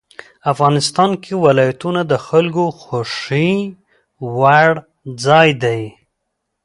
افغانستان کې ولایتونه د خلکو خوښې وړ ځای دی.